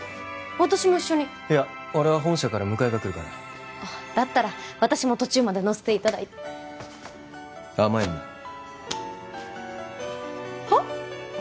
私も一緒にいや俺は本社から迎えが来るからだったら私も途中まで乗せていただいて甘えんなはっ？